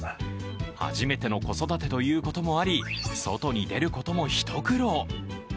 初めての子育てということもあり外に出ることも一苦労。